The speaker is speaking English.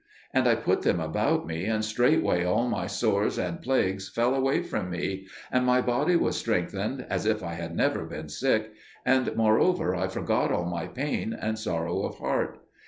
And I put them about me, and straightway all my sores and plagues fell away from me, and my body was strengthened as if I had never been sick; and, moreover, I forgot all my pain and sorrow of heart.